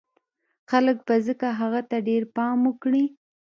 خلک به ځکه هغه ته ډېر پام وکړي